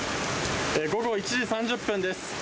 午後１時３０分です。